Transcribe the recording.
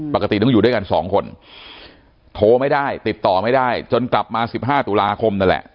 ปกติต้องอยู่ด้วยกัน๒คนโทรไม่ได้ติดต่อไม่ได้จนกลับมา๑๕ตุลาคมนั่นแหละ